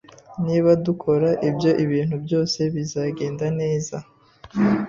Niba dukora ibyo, ibintu byose bizagenda neza.